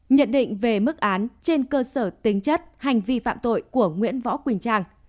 nhận định về mức án trên cơ sở tính chất hành vi phạm tội của nguyễn võ quỳnh trang